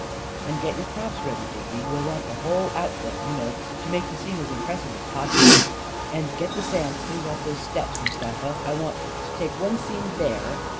And get your props ready, Digby — we'll want the whole outfit, you know, to make the scene as impressive as pos sible. And get the sand cleaned off those steps, Mustafa — I want to take one scene there.